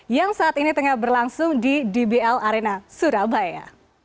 yang saat ini tengah berlangsung di dbl arena surabaya